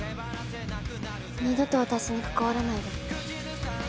二度と私に関わらないで。